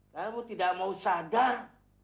kamu tidak mau sadar